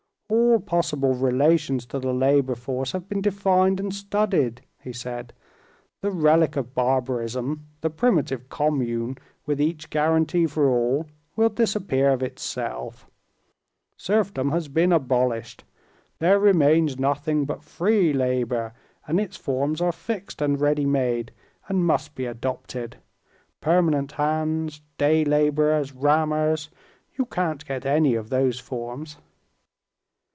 "All possible relations to the labor force have been defined and studied," he said. "The relic of barbarism, the primitive commune with each guarantee for all, will disappear of itself; serfdom has been abolished—there remains nothing but free labor, and its forms are fixed and ready made, and must be adopted. Permanent hands, day laborers, rammers—you can't get out of those forms."